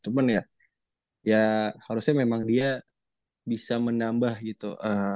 cuman ya harusnya memang dia bisa menambah gitu